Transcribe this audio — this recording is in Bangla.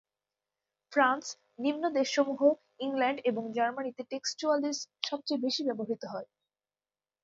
ফ্রান্স, নিম্ন দেশসমূহ, ইংল্যান্ড এবং জার্মানিতে টেক্সটুয়ালিস সবচেয়ে বেশি ব্যবহৃত হত।